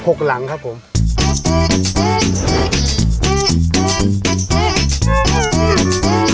หกหลังครับผม